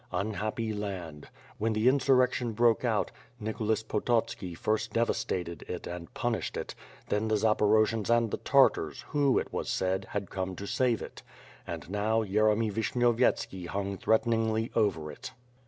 Unhappy land! When the insurrection broke out, Nicholas Pototski first devastated it and punished it; then the Zaporojians and the Tartars, who, it was said, had come to save it. And now, Yeremy Vishnyov yetski hung threateningly over it.